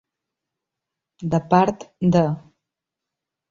De part de.